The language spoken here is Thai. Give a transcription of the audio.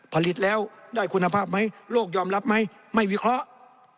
ผลิตแล้วได้คุณภาพไหมโลกยอมรับไหมไม่วิเคราะห์